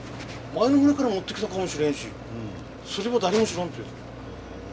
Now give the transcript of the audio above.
前の船から持ってきたかもしれんしそれは誰も知らんとよ。